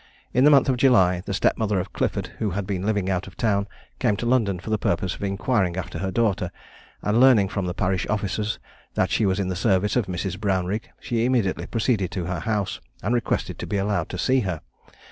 In the month of July, the step mother of Clifford, who had been living out of town, came to London for the purpose of inquiring after her daughter; and, learning from the parish officers that she was in the service of Mrs. Brownrigg, she immediately proceeded to her house, and requested to be allowed to see her.